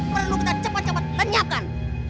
perlu kita cepat cepat tanyakan